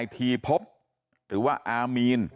ทีพบหรือว่าอามีน